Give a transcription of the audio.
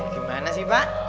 gimana sih pak